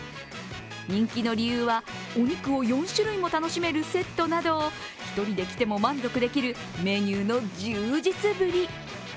人気の理由はお肉を４種類も楽しめるセットなど、１人で来ても満足できるメニューの充実ぶり。